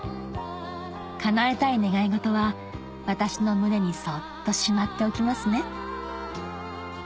叶えたい願い事は私の胸にそっとしまっておきますね